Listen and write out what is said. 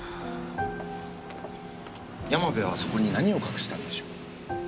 山部はあそこに何を隠してたんでしょう？